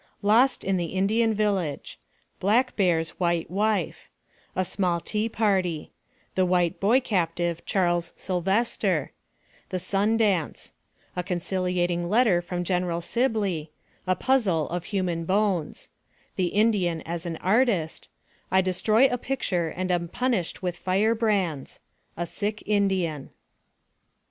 LOST IN THE INDIAN VILLAGE BLACK BEAR'S WHITE WIFE A SMALL TEA PARTY THE WHITE BOY CAPTIVE, CHARLES SYLVESTER THE SUN DANCE A CONCILIATING LETTER FROM GENERAL SIB LEY A PUZZLE OF HUMAN BONES THE INDIAN AS AN ARTIST I DESTROY A PICTURE AND AM PUNISHED WITH FIRE BRANDS A SICK INDIAN.